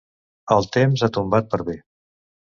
El temps ha tombat per bé.